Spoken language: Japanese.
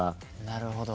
なるほど。